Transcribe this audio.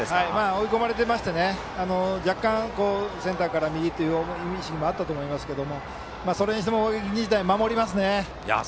追い込まれていたので若干、センターから右という意識もあったと思いますがそれにしても守りますね。